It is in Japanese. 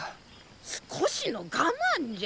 少しの我慢じゃ！